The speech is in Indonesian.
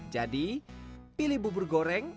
jadi pilih bubur goreng